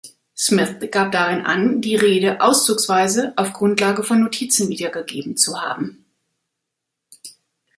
Smith gab darin an, die Rede auszugsweise auf Grundlage von Notizen wiedergegeben zu haben.